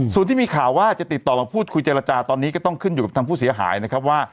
ส่วนที่มีข่าวว่าจะติดต่อมาพูดคุยเจรจาตอนนี้ก็ต้องขึ้นอยู่กับทางผู้เสียหายนะครับว่า